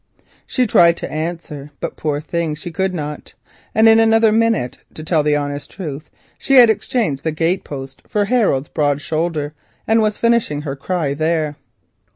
She tried to answer, but she could not, and in another minute, to tell the honest truth, she had exchanged the gate post for Harold's broad shoulder, and was finishing her "cry" there.